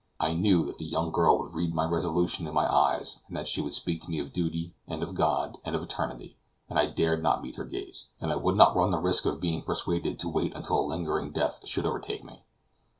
I knew that the young girl would read my resolution in my eyes, and that she would speak to me of duty, and of God, and of eternity, and I dared not meet her gaze; and I would not run the risk of being persuaded to wait until a lingering death should overtake me.